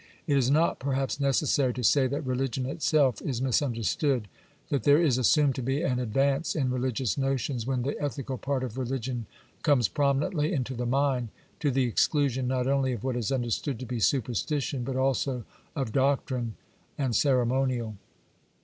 It is not perhaps necessary to say that religion itself is mis understood, that there is assumed to be an advance in religious notions when the ethical part of religion comes prominently into the mind, to the exclusion not only of what is understood to be superstition but also of doctrine and ceremonial.